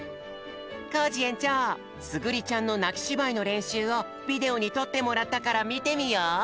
コージえんちょうすぐりちゃんのなきしばいのれんしゅうをビデオにとってもらったからみてみよう！